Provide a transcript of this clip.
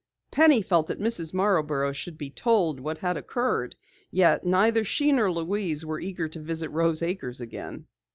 Penny felt that Mrs. Marborough should be told what had occurred, yet neither she nor Louise were eager to visit Rose Acres again.